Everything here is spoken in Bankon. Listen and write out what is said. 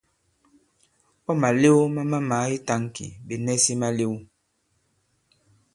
Ɔ̂ màlew ma mamàa i tāŋki, ɓè nɛsi malew.